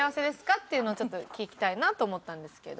っていうのをちょっと聞きたいなと思ったんですけど。